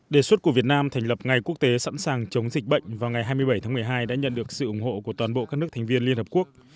đề xuất của việt nam thành lập ngày quốc tế sẵn sàng chống dịch bệnh vào ngày hai mươi bảy tháng một mươi hai đã nhận được sự ủng hộ của toàn bộ các nước thành viên liên hợp quốc